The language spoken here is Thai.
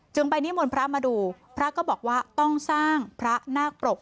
ไปนิมนต์พระมาดูพระก็บอกว่าต้องสร้างพระนาคปรก